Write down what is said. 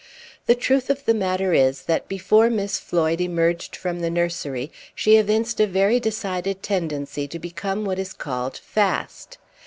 The truth of the matter is, that before Miss Floyd emerged from the nursery she evinced a very decided tendency to become what is called "fast."